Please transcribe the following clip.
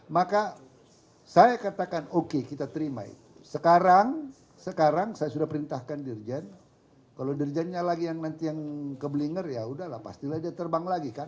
maka saya katakan oke kita terima itu sekarang sekarang saya sudah perintahkan dirjen kalau dirjennya lagi yang nanti yang kebelinger yaudahlah pastilah dia terbang lagi kan